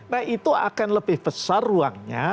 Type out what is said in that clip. nah itu akan lebih besar ruangnya